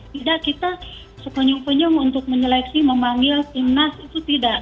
tidak kita sekunyum senyum untuk menyeleksi memanggil timnas itu tidak